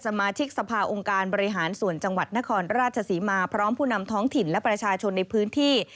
สมาชิกสภาองค์การบริหารส่วนจังหวัดนครราชศรีมาพร้อมผู้นำท้องถิ่นและประชาชนในพื้นที่